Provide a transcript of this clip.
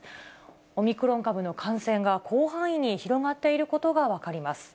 オミクロン株の感染が広範囲に広がっていることが分かります。